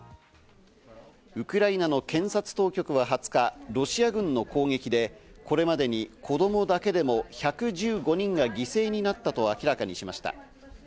ウクライナの検察当局は２０日、ロシア軍の攻撃でこれまでに子供だけでも１１５人が犠牲になったと明らかにしました。